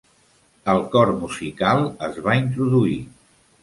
El cor musical es va introduir.